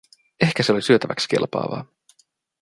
Ehkä se oli syötäväksi kelpaavaa.